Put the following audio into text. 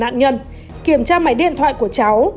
nạn nhân kiểm tra máy điện thoại của cháu